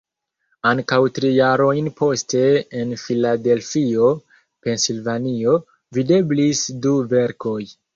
Ankaŭ tri jarojn poste en Filadelfio (Pensilvanio) videblis du verkoj.